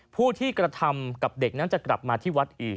ผู้ที่กระทำกับเด็กนั้นจะกลับมาที่วัดอีก